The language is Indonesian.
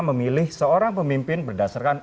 memilih seorang pemimpin berdasarkan